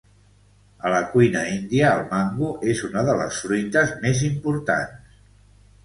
A la cuina índia el mango és una de les fruites més importants.